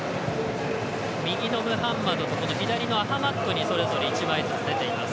右のムハンマドと左のアハマッドにそれぞれ１枚ずつ出ています。